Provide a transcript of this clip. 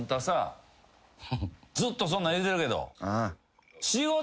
ずっとそんなん言うてるけど。